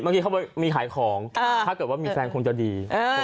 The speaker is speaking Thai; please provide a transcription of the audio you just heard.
เมื่อกี้เขามีขายของถ้าเกิดว่ามีแฟนคงจะดี